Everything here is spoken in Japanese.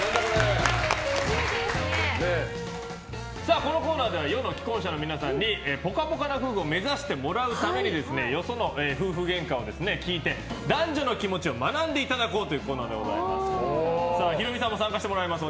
このコーナーでは世の既婚者の皆さんにぽかぽかな夫婦を目指してもらうためによその夫婦げんかを聞いて男女の気持ちを学んでいただこうというコーナーです。